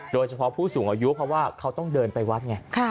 โดยเฉพาะผู้สูงอายุเพราะว่าเขาต้องเดินไปวัดไง